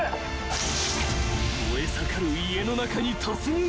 ［燃え盛る家の中に突入］